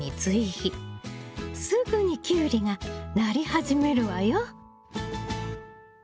すぐにキュウリがなり始めるわよ。